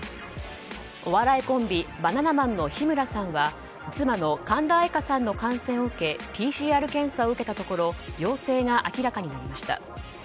お笑いコンビ、バナナマンの日村さんは妻の神田愛花さんの感染を受けＰＣＲ検査を受けたところ陽性が明らかになりました。